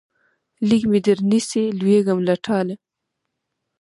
لږ مې درنیسئ لوېږم له ټاله